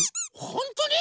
ほんとに？